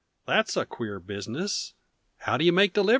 "That's a queer business. How do you make deliveries?"